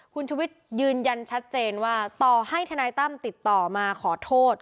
คุณชุวิตยืนยันชัดเจนว่าต่อให้ทนายตั้มติดต่อมาขอโทษ